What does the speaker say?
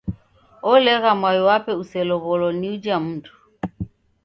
Olegha mwai wape uselow'olo ni uja mndu.